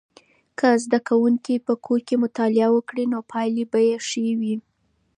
که زده کوونکي په کور کې مطالعه وکړي نو پایلې به یې ښې وي.